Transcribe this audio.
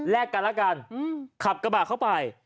กันแล้วกันขับกระบะเข้าไป